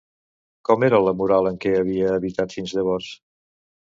Com era la moral en què havia habitat fins llavors?